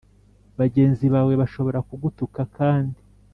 Bagenzi bawe bashobora kugutuka kandi